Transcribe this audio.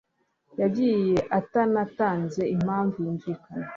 yagiye atanatanze impamvu yumvikana .